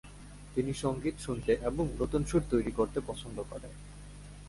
তিনি সঙ্গীত শুনতে এবং নতুন সুর তৈরি করতে পছন্দ করেন।